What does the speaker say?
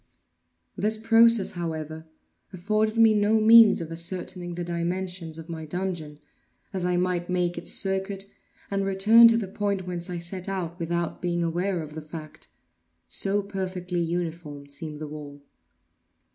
This process, however, afforded me no means of ascertaining the dimensions of my dungeon; as I might make its circuit, and return to the point whence I set out, without being aware of the fact; so perfectly uniform seemed the wall.